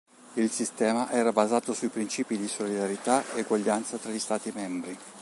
Il sistema era basato sui principi di solidarietà ed uguaglianza tra gli stati membri.